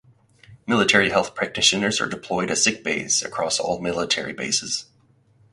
Military Health practitioners are deployed at Sick Bays across all military bases.